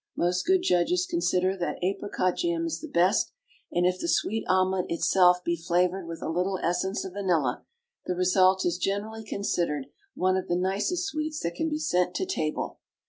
Most good judges consider that apricot jam is the best, and if the sweet omelet itself be flavoured with a little essence of vanilla, the result is generally considered one of the nicest sweets that can be sent to table.